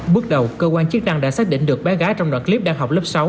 bước đầu cơ quan chức năng đã xác định được bé gái trong đoạn clip đang học lớp sáu